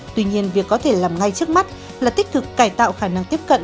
tuy nhiên việc có thể làm ngay trước mắt là tích cực cải tạo khả năng tiếp cận